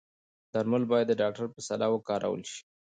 درمل باید د ډاکتر په سلا وکارول شي.